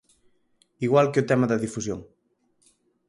Igual que o tema da difusión.